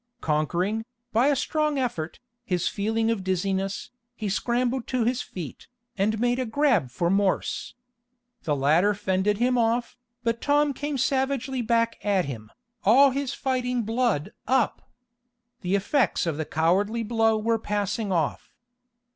Conquering, by a strong effort, his feeling of dizziness, he scrambled to his feet, and made a grab for Morse. The latter fended him off, but Tom came savagely back at him, all his fighting blood up. The effects of the cowardly blow were passing off.